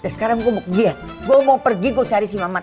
sekarang gue mau pergi gue cari si mamat